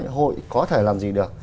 hội có thể làm gì được